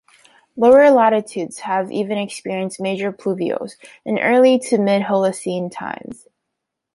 Lower latitudes have even experienced major pluvials in early to mid-Holocene times.